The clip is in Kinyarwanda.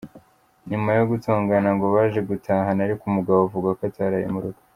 Nyuma yo gutongana ngo baje gutahana ariko umugabo avuga ko ataraye mu rugo.